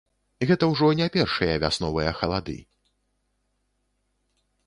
Гэта ўжо не першыя вясновыя халады.